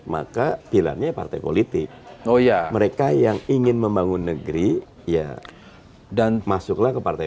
maka pilarnya partai politik oh ya mereka yang ingin membangun negeri ya dan masuklah ke partai